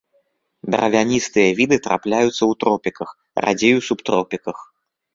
Дравяністыя віды трапляюцца ў тропіках, радзей у субтропіках.